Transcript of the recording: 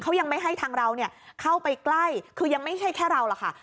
เขายังไม่ให้ทางเราเข้าไปใกล้คือยังไม่ใช่แค่เราหรอกค่ะ